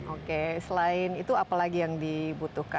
oke selain itu apa lagi yang kita butuhkan